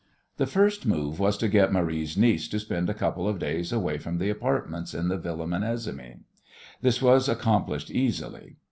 The first move was to get Marie's niece to spend a couple of days away from the apartments in the Villa Menesimy. This was accomplished easily.